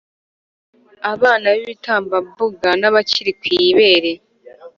abana b’ibitambambuga n’abakiri ku ibere,